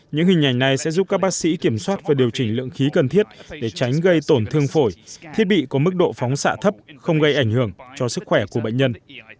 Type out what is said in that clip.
những hình ảnh này sẽ giúp các bác sĩ kiểm soát và điều chỉnh lượng khí cần thiết để tránh gây tổn thương phổi thiết bị có mức độ phóng xạ thấp không gây ảnh hưởng cho sức khỏe của bệnh nhân